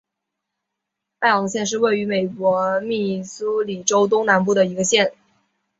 艾昂县是位于美国密苏里州东南部的一个县。